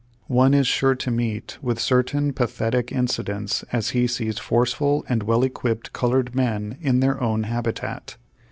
One is sure to meet with certain pathetic inci dents as he sees forceful and well equipped col ored men in their own habitat.